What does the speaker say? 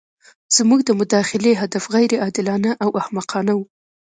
زموږ د مداخلې هدف غیر عادلانه او احمقانه وو.